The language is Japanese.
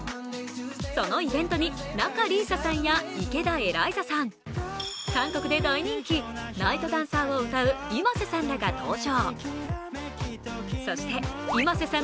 そのイベントに仲里依紗さんや池田エライザさん、韓国で大人気、「ＮＩＧＨＴＤＡＮＣＥＲ」を歌うｉｍａｓｅさんらが登場。